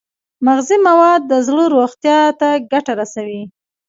مغذي مواد د زړه روغتیا ته ګټه رسوي.